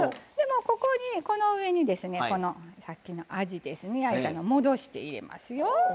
この上にですねこのさっきのあじですね焼いたのを戻して入れますよ。